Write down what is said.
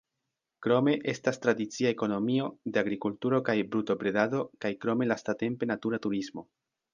Krome estas tradicia ekonomio de agrikulturo kaj brutobredado kaj krome lastatempe natura turismo.